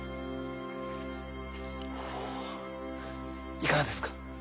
いかがですか？